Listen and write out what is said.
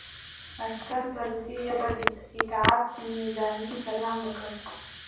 عسکر په روسي ژبه د اطاعت نظامي سلام وکړ